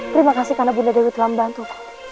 terima kasih karena bunda dewi telah membantu